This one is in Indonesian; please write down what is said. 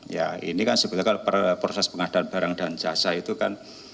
ya ini kan sebetulnya kalau proses pengadaan barang dan jasa itu kan